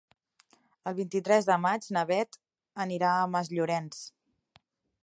El vint-i-tres de maig na Beth anirà a Masllorenç.